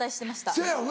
せやよな。